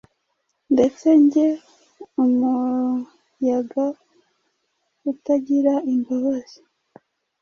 ndetse njye! umuyaga Utagira imbabazi